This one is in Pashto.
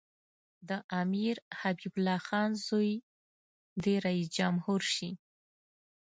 د امیر حبیب الله خان زوی د جمهوریت رییس شي.